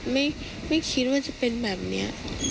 ไม่คิดว่าจะเป็นแบบนี้